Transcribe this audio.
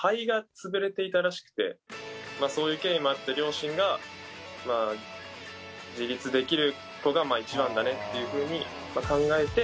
そういう経緯もあって両親が自立できる子が一番だねっていうふうに考えて。